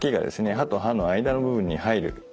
歯と歯の間の部分に入るように。